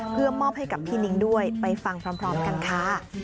เพื่อมอบให้กับพี่นิ้งด้วยไปฟังพร้อมกันค่ะ